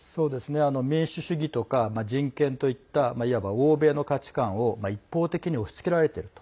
民主主義や人権といった欧米の価値観を一方的に押しつけられていると。